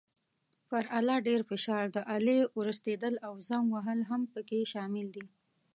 پر آله ډېر فشار، د آلې ورستېدل او زنګ وهل هم پکې شامل دي.